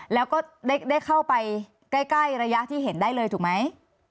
แล้วก็ได้เข้าไปใกล้ระยะที่เห็นได้เลยถูกไหม